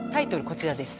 こちらです。